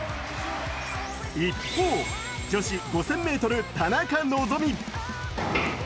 一方、女子５０００ｍ、田中希実。